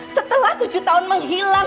setelah tujuh tahun menghilang